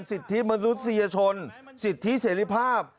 สิทธิมนุษยชนสิทธิเสรีภาพ